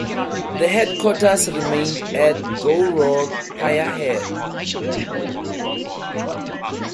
The headquarters remained at Gourock pierhead.